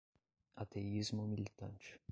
ateísmo militante